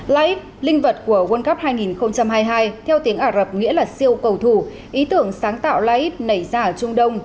playx linh vật của world cup hai nghìn hai mươi hai theo tiếng ả rập nghĩa là siêu cầu thủ ý tưởng sáng tạo lee nảy ra ở trung đông